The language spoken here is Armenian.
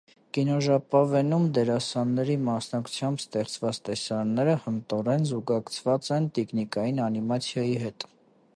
Կինոժապավենում դերասանների մասնակցությամբ ստեղծված տեսարանները հմտորեն զուգակցված են տիկնիկային անիմացիայի հետ։